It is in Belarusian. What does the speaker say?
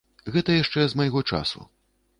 Гэта яшчэ з майго часу.